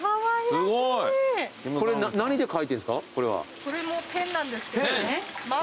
これもペンなんですけど。